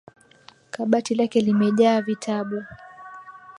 Kabati lake limejaa vitabu.